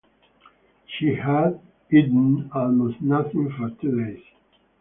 She had eaten almost nothing for two days.